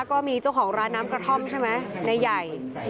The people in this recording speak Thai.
ก็มีเจ้าของร้านน้ำกระท่อมใช่ไหมในใหญ่